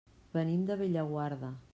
Venim de Bellaguarda.